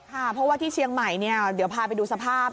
เพราะว่าที่เชียงใหม่เดี๋ยวพาไปดูสภาพ